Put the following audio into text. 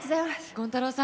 権太楼さん